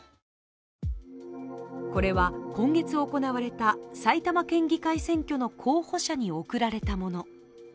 これは、今月行われた埼玉県議会選挙の候補者に送られたもの。